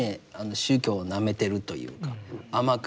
宗教をなめてるというか甘く見てる。